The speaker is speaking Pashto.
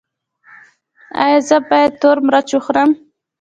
ایا زه باید تور مرچ وخورم؟